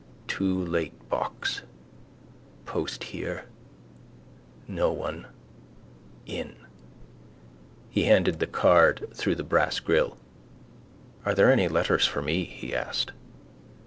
Too late box. Post here. No one. In. He handed the card through the brass grill. —Are there any letters for me? he asked.